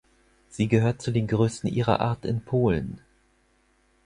Sie gehört zu den größten ihrer Art in Polen.